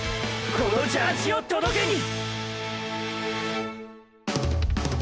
このジャージを届けに！！